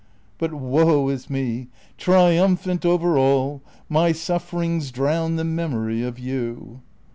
But, woe is me ! triumphant over all. My sufferings drown the memory of you.